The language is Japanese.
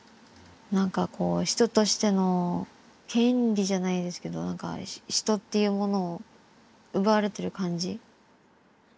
何かこう人としての権利じゃないですけど何か人っていうものを奪われてる感じ。